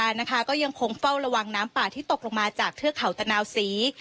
นะคะก็ยังคงเฝ้าระวังน้ำป่าที่ตกลงมาจากเทือกเขาตะนาวศรี